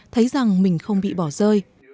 thấy rằng mình không bị bỏ rơi